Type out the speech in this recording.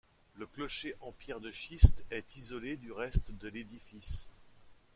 Le clocher en pierres de schiste est isolé du reste de l'édifice.